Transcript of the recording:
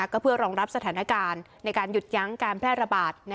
ก็เพื่อรองรับสถานการณ์ในการหยุดยั้งการแพร่ระบาด